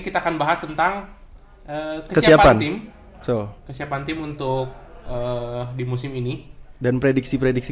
kita akan bahas tentang kesiapan tim kesiapan tim untuk di musim ini dan prediksi prediksi